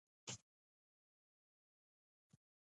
نولسمه پوښتنه د ښه آمریت د اوصافو په اړه ده.